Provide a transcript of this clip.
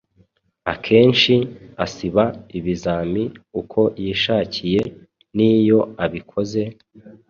Akenshi asiba ibizami uko yishakiye, n’iyo abikoze,